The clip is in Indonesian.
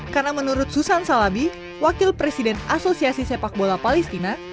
karena menurut susan salabi wakil presiden asosiasi sepak bola palestina